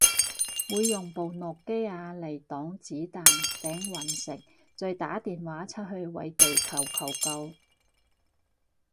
會用部諾基亞嚟擋子彈頂隕石再打電話出去為地球求救